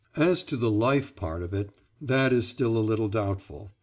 As to the =Life= part of it, that is still a little doubtful.